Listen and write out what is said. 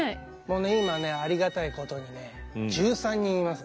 今ねありがたいことにね１３人います。